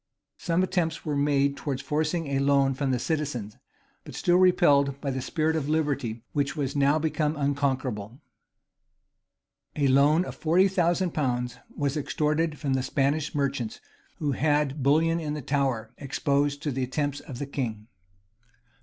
Some attempts were made towards forcing a loan from the citizens; but still repelled by the spirit of liberty, which was now become unconquerable.[] A loan of forty thousand pounds was extorted from the Spanish merchants, who had bullion in the Tower exposed to the attempts of the king.